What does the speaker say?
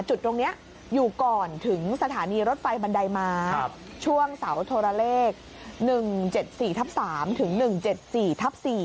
จุดตรงนี้อยู่ก่อนถึงสถานีรถไฟบันไดม้าช่วงเสาโทรเลข๑๗๔ทับ๓ถึง๑๗๔ทับ๔